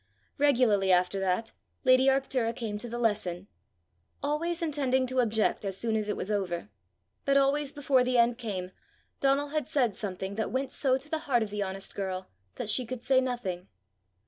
Regularly after that, lady Arctura came to the lesson always intending to object as soon as it was over. But always before the end came, Donal had said something that went so to the heart of the honest girl that she could say nothing.